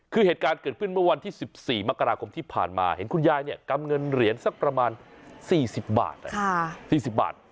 คือเหตุการณ์เกิดขึ้นเมื่อวันที่๑๔มกราคมที่ผ่านมาเห็นคุณยายเนี่ยกำเงินเหรียญสักประมาณ๔๐บาท๔๐บาท